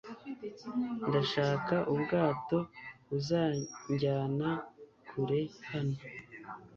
Ndashaka ubwato buzanjyana kure hano